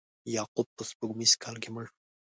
یعقوب په سپوږمیز کال کې مړ شو.